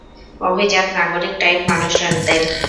অভিজাত নাগরিক টাইপ মানুষজনদের।